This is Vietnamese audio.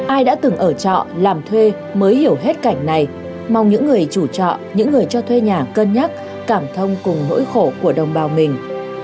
ai đã từng ở trọ làm thuê mới hiểu hết cảnh này mong những người chủ trọ những người cho thuê nhà cân nhắc cảm thông cùng nỗi khổ của đồng bào mình